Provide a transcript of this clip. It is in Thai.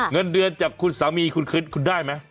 เงินเดือนจากคุณสามีคุณได้ไหม